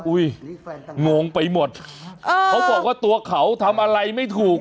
งงไปหมดเขาบอกว่าตัวเขาทำอะไรไม่ถูก